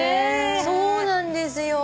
そうなんですよ。